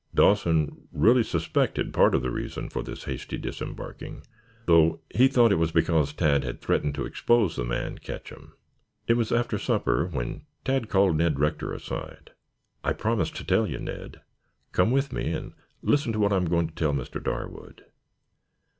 Dawson really suspected part of the reason for this hasty disembarking, though he thought it was because Tad had threatened to expose the man Ketcham. It was after supper when Tad called Ned Rector aside. "I promised to tell you, Ned. Come with me and listen to what I am going to tell Mr. Darwood."